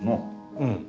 うん。